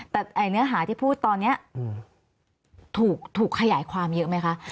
แต่เนื้อหาที่พูดตอนนี้ถูกขยายความเยอะไหมคะ